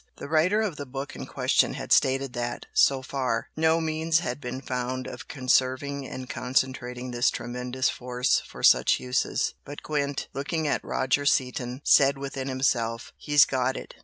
The writer of the book in question had stated that, so far, no means had been found of conserving and concentrating this tremendous force for such uses, but Gwent, looking at Roger Seaton, said within himself "He's got it!"